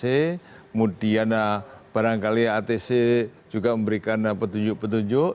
kemudian barangkali atc juga memberikan petunjuk petunjuk